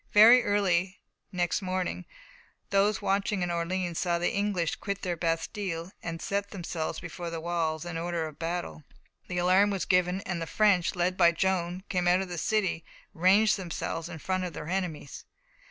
Very early next morning, those watching in Orleans saw the English quit their bastiles and set themselves before the walls in order of battle. The alarm was given, and the French, led by Joan, came out of the city and ranged themselves in front of their enemies.